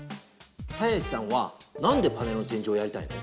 サヤシさんはなんでパネルの展示をやりたいの？